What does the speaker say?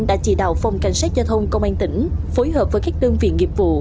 đã chỉ đạo phòng cảnh sát giao thông công an tỉnh phối hợp với các đơn vị nghiệp vụ